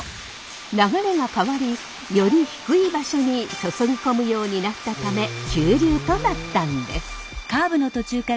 流れが変わりより低い場所に注ぎ込むようになったため急流となったんです。